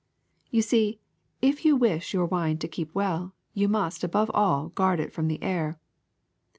You see, if you wish your wine to keep well, you must, above all, guard it from the air.